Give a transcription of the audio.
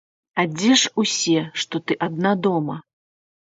А дзе ж усе, што ты адна дома?